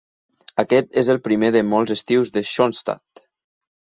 Aquest és el primer de molts estius de Schoenstatt.